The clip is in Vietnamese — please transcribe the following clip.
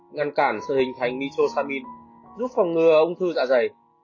ngăn cản sự hình thành ni chosamin giúp phòng ngừa ung thư dạ dày